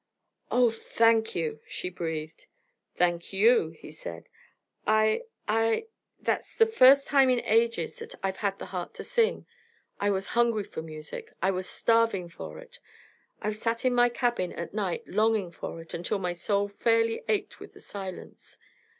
"Oh, thank you," she breathed. "Thank you," he said. "I I that's the first time in ages that I've had the heart to sing. I was hungry for music, I was starving for it. I've sat in my cabin at night longing for it until my soul fairly ached with the silence.